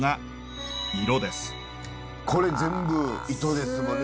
これ全部糸ですもんね。